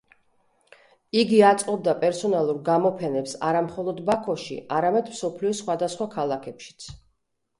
იგი აწყობდა პერსონალურ გამოფენებს არა მხოლოდ ბაქოში, არამედ მსოფლიოს სხვადასხვა ქალაქებშიც.